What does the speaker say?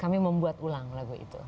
kami membuat ulang lagu itu